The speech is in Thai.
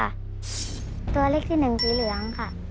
ตัวเลขที่หนึ่งสีเหลืองค่ะ